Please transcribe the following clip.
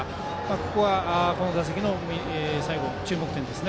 ここがこの打席の注目点です。